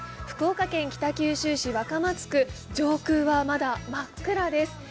福岡県北九州市若松区上空はまだ、真っ暗です。